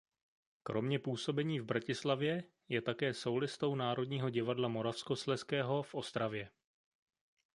Kromě působení v Bratislavě je také sólistou Národního divadla Moravskoslezského v Ostravě.